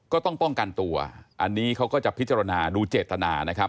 ก็ต้องป้องกันตัวอันนี้เขาก็จะพิจารณาดูเจตนานะครับ